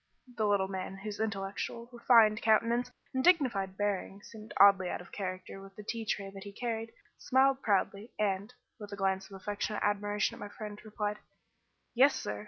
The little man, whose intellectual, refined countenance and dignified bearing seemed oddly out of character with the tea tray that he carried, smiled proudly, and, with a glance of affectionate admiration at my friend, replied "Yes, sir.